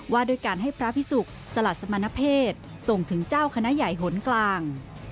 ว่าด้วยการให้พระพิสุกสลัดสมณเพศส่งถึงเจ้าคณะใหญ่หนกลาง